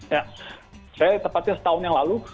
ya saya tepatnya setahun yang lalu